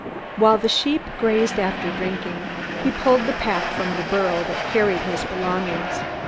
While the sheep grazed after drinking he pulled the pack from the burro that carried his belongings.